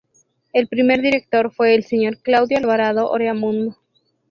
El primer director fue el señor Claudio Alvarado Oreamuno.